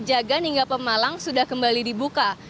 sejak kejagaan hingga pemalang sudah kembali dibuka